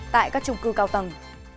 tại các trung cư cao tầng